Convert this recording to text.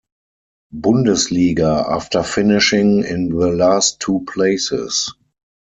Bundesliga after finishing in the last two places.